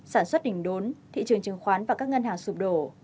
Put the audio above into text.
sản xuất đỉnh đốn thị trường trừng khoán và các ngân hàng sụp đổ